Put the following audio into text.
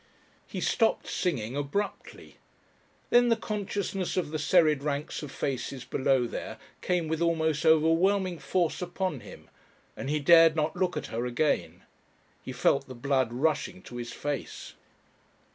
He stopped singing abruptly. Then the consciousness of the serried ranks of faces below there came with almost overwhelming force upon him, and he dared not look at her again. He felt the blood rushing to his face.